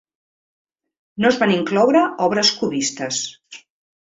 No es van incloure obres cubistes.